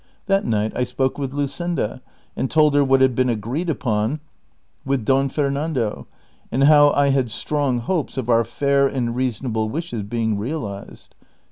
That night I spoke with Luscinda, and told her what had been agreed upon with Don Fernando, and how I liad strong hopes of our fair and reasonable wishes being i ealized.